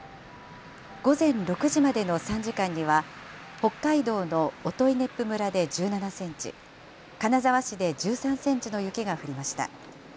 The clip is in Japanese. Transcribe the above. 午前６時までの３時間には、北海道の音威子府村で１７センチ、金沢市で１３センチの雪が降りました。